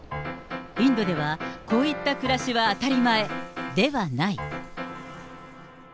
インドではこういった暮らしは当たり前ではない。